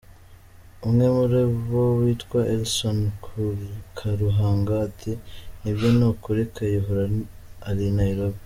Umwe muri bo witwa Ellison Karuhanga ati: “Nibyo ni ukuri Kayihura ari I Nairobi.”